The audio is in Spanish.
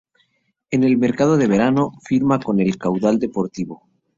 En el mercado de verano, firma con el Caudal Deportivo.